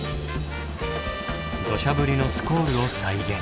ドシャ降りのスコールを再現。